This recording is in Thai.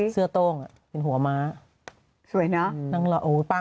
เสื้อโต้งเป็นหัวม้า